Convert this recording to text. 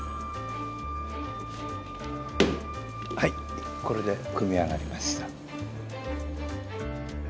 はいこれで組み上がりました。